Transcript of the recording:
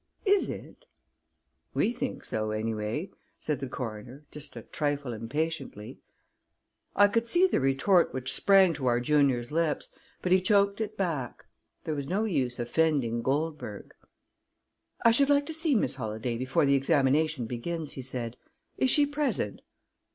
"Is it?" "We think so, anyway!" said the coroner, just a trifle impatiently. I could see the retort which sprang to our junior's lips, but he choked it back. There was no use offending Goldberg. "I should like to see Miss Holladay before the examination begins," he said. "Is she present?"